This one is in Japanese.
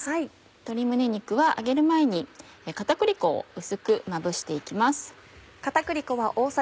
鶏胸肉は揚げる前に片栗粉を薄くまぶして行きます。